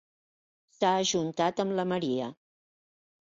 S'ha ajuntat amb la Maria.